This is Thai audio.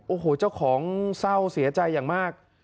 โอ้โหเจ้าของเศร้าเสียใจอย่างมาก